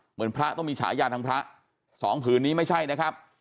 เหมือนพระต้องมีฉายาทางพระสองผืนนี้ไม่ใช่นะครับ